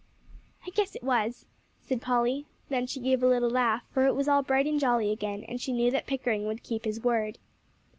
"I guess it was," said Polly. Then she gave a little laugh, for it was all bright and jolly again, and she knew that Pickering would keep his word.